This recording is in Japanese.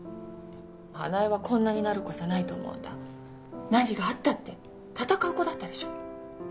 花枝はこんなになる子じゃないと思うんだ何があったって戦う子だったでしょ？